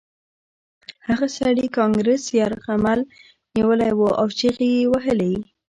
هغه سړي کانګرس یرغمل نیولی و او چیغې یې وهلې